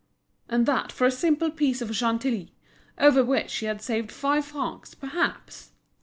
And that for a simple piece of Chantilly, over which she had saved five francs, perhaps.